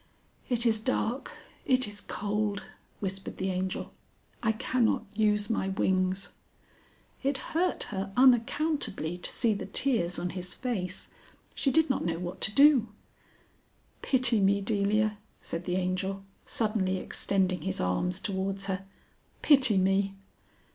"It is dark, it is cold," whispered the Angel; "I cannot use my wings." It hurt her unaccountably to see the tears on his face. She did not know what to do. "Pity me, Delia," said the Angel, suddenly extending his arms towards her; "pity me."